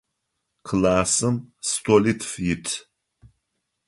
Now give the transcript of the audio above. Классым столитф ит.